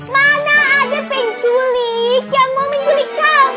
mana ada penculik yang mau menculik kamu